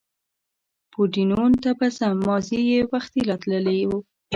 پورډېنون ته به ځم، مازې یې وختي لا تللي و.